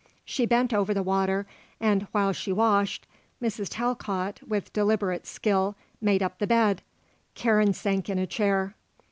She bent over the water, and, while she washed, Mrs. Talcott, with deliberate skill, made up the bed. Karen sank in a chair.